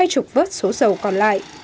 chục vớt số dầu còn lại